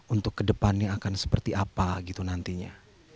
untuk ke depannya akan seperti apa gitu nantinya